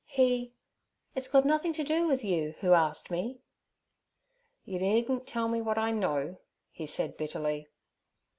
'He—it's got nothing to do with you who asked me.' 'You needn't tell me what I know' he said bitterly.